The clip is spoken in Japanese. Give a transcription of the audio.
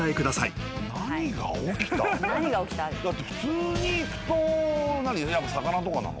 だって普通にいくと魚とかなの？